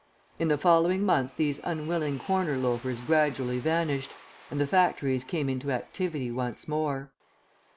In the following months these unwilling corner loafers gradually vanished, and the factories came into activity once more.